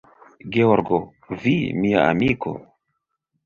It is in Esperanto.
Georgo, vi, mia amiko?